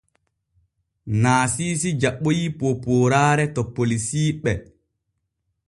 Naasiisi jaɓoy poopooraare to polisiiɓe.